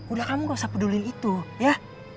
udah kamu gak usah peduli itu ya